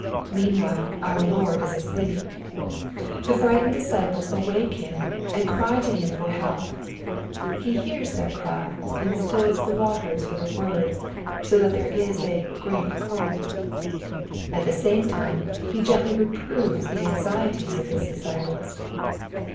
Meanwhile our Lord is asleep. The frightened disciples awake Him, and cry to Him for help. He hears their cry and stills the waters with a word, so that there is " a great calm." At the same time. He gently reproves the anxiety of His disciples.